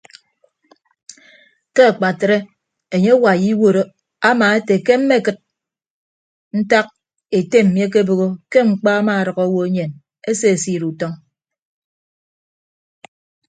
Ke akpatre enye awai iwuod ama ete mmekịd ntak ete mmi akebooho ke mkpa amaadʌk owo enyen esesiid utọñ.